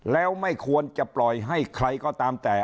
แล้วไม่ควรจะปล่อยให้ใครก็ตามแต่